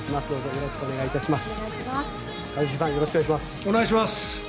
よろしくお願いします。